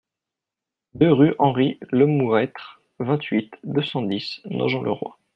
deux rue Henri Lemouettre, vingt-huit, deux cent dix, Nogent-le-Roi